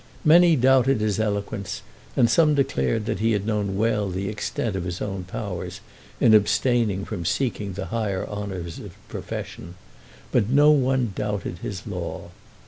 Many doubted his eloquence, and some declared that he had known well the extent of his own powers in abstaining from seeking the higher honours of his profession; but no one doubted his law.